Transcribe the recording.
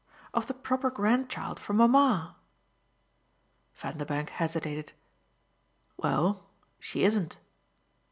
Of the proper grandchild for mamma." Vanderbank hesitated. "Well, she isn't."